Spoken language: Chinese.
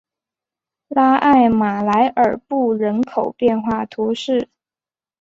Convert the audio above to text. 拉艾马莱尔布人口变化图示